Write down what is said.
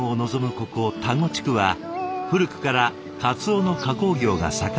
ここ田子地区は古くから鰹の加工業が盛んな地域。